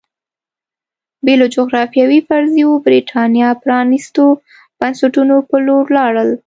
بې له جغرافیوي فرضیو برېټانیا پرانېستو بنسټونو په لور لاړل